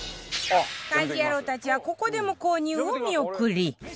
家事ヤロウたちはここでも購入を見送り